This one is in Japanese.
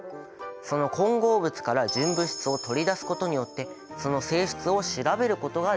その混合物から純物質を取り出すことによってその性質を調べることができる。